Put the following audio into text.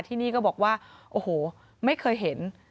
ที่นี่ก็บอกว่าโอ้โหไม่เคยเห็น